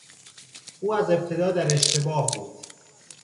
او از ابتدا در اشتباه بود.